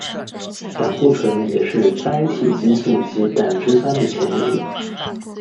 胆固醇也是甾体激素及胆汁酸的前体。